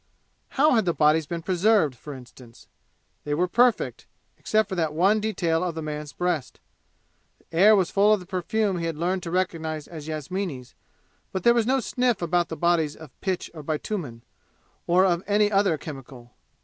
How had the bodies been preserved, for instance? They were perfect, except for that one detail of the man's breast. The air was full of the perfume he had learned to recognize as Yasmini's, but there was no sniff about the bodies of pitch or bitumen, or of any other chemical.